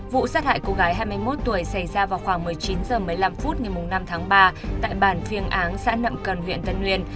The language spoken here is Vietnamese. vụ sát hại cô gái hai mươi một tuổi xảy ra vào khoảng một mươi chín h một mươi năm phút ngày năm tháng ba tại bản phiêng áng xã nậm cần huyện tân nguyên